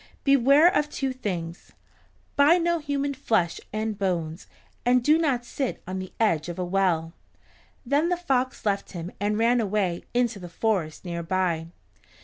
Beware of two things. Buy no human flesh and bones, and do not sit on the edge of a well." Then the fox left him and ran away into the forest near by.